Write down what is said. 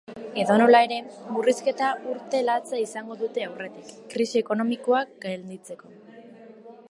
Edonola ere, murrizketa urte latza izango dute aurretik, krisi ekonomikoa gainditzeko.